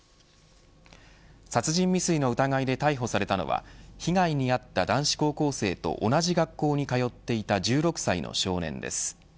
殺人未遂の疑いで逮捕されたのは被害に遭った男子高校生と同じ学校に通っていた１６歳の少年です。